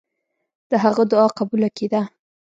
د هغه دعا قبوله کېده.